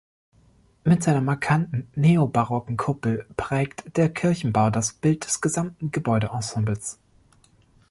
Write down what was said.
Mit seiner markanten neobarocken Kuppel prägt der Kirchenbau das Bild des gesamten Gebäudeensembles.